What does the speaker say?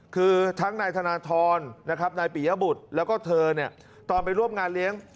คือทั้งนายธนทรนะครับนายปิยบุตรแล้วก็เธอเนี่ยตอนไปร่วมงานเลี้ยง